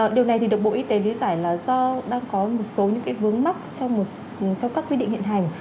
điều này được bộ y tế giải là do đang có một số vướng mắc trong các quy định hiện hành